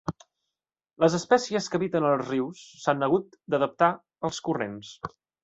Les espècies que habiten els rius s'han hagut d'adaptar als corrents.